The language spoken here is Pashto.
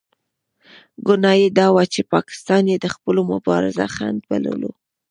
ګناه یې دا وه چې پاکستان یې د خپلو مبارزو خنډ بللو.